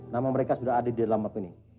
nama mereka sudah ada di dalam ini